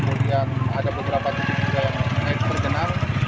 kemudian ada beberapa titik juga yang berkenan